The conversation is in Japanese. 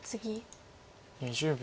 ２０秒。